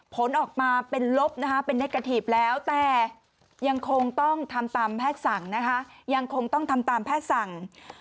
ผลออกมาเป็นลบเป็นเนเกอร์ทีฟแล้วแต่ยังคงต้องนำตามแพทย์สั่ง